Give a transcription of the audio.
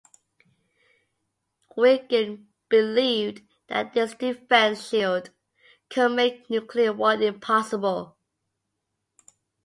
Reagan believed that this defense shield could make nuclear war impossible.